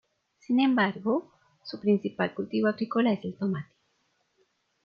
Sin embargo, su principal cultivo agrícola es el tomate.